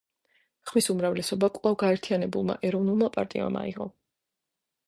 ხმების უმრავლესობა კვლავ გაერთიანებულმა ეროვნულმა პარტიამ მიიღო.